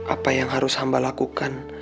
apa yang harus hamba lakukan